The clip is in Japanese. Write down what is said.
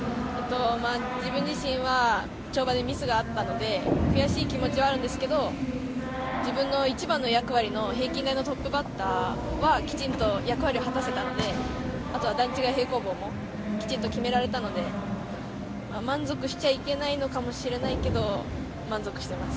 自分自身は跳馬でミスがあったので悔しい気持ちはあるんですけど自分の一番の役割の平均台のトップバッターはきちんと役割を果たせたのであとは段違い平行棒もきちんと決められたので満足しちゃいけないのかもしれないけど満足してます。